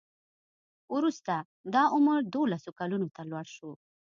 وروسته دا عمر دولسو کلونو ته لوړ شو.